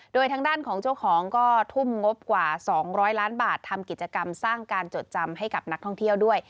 โดยทางด้านของเจ้าของก็ทุ่มงบกว่า๒๐๐ล้านบาททำกิจกรรมสร้างการจดจำให้กับนักท่องเที่ยวด้วย